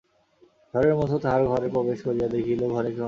ঝড়ের মতো তাহার ঘরে প্রবেশ করিয়া দেখিল ঘরে কেহ নাই।